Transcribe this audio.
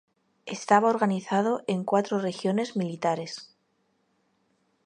Estaba organizado en cuatro regiones militares.